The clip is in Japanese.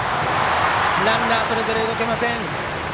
ランナー、それぞれ動けません。